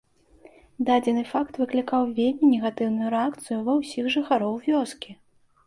Дадзены факт выклікаў вельмі негатыўную рэакцыю ва ўсіх жыхароў вёскі.